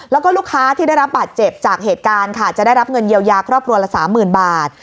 แล้วก็ลูกค้าที่ได้รับบาดเจ็บจากเหตุการณ์ค่ะจะได้รับเงินเยียวยาครอบครัวละสามหมื่นบาท